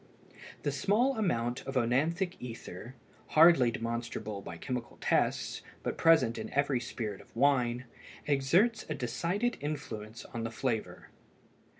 The small amount of œnanthic ether, hardly demonstrable by chemical tests but present in every spirit of wine, exerts a decided influence on the flavor.